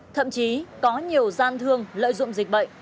thậm chí có nhiều gian thương lợi dụng dịch bệnh